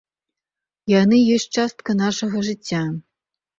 Яны ёсць часткай нашага жыцця.